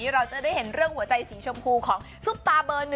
เราจะได้เห็นเรื่องหัวใจสีชมพูของซุปตาเบอร์๑